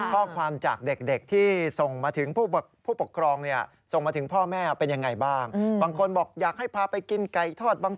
ข้อความจากเด็กที่ส่งมาถึงผู้ปกครอง